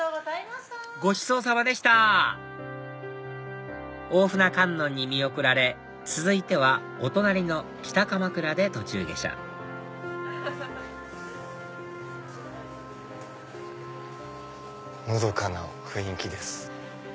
ごちそうさまでした大船観音に見送られ続いてはお隣の北鎌倉で途中下車のどかな雰囲気です。